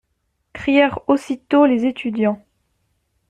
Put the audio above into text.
Crièrent aussitôt les étudiants.